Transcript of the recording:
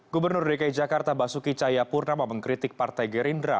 gubernur dki jakarta basuki cayapurnama mengkritik partai gerindra